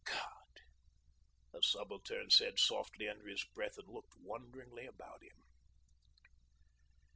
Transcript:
... 'God!' the Subaltern said softly under his breath, and looked wonderingly about him.